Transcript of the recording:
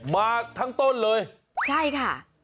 มาทั้งต้นเลยใช่ค่ะ